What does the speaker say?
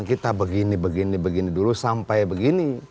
kita begini begini dulu sampai begini